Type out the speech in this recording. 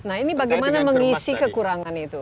nah ini bagaimana mengisi kekurangan itu